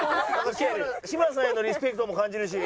志村さんへのリスペクトも感じるし。